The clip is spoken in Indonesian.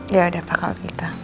yaudah pak kalau gitu